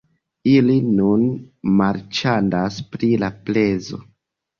Ili nun marĉandas pri la prezo